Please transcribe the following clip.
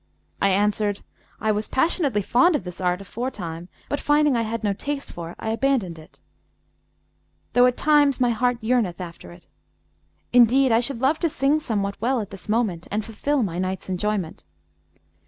I answered, 'I was passionately fond of this art aforetime, but finding I had no taste for it, I abandoned it, though at times my heart yearneth after it. Indeed, I should love to sing somewhat well at this moment and fulfil my night's enjoyment.'